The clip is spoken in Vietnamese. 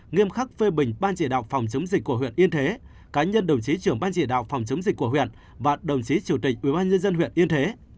nghiêm khắc phê bình ban chỉ đạo phòng chống dịch của huyện yên thế cá nhân đồng chí trưởng ban chỉ đạo phòng chống dịch của huyện và đồng chí chủ tịch ubnd huyện yên thế